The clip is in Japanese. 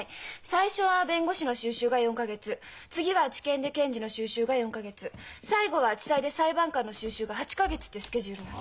最初は弁護士の修習が４か月次は地検で検事の修習が４か月最後は地裁で裁判官の修習が８か月ってスケジュールなんです。